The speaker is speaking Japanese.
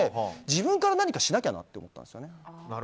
自分から何かしなきゃなって思ったんです。